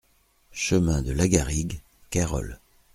Chemin de Lagarigue, Cayrols